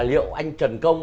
liệu anh trần công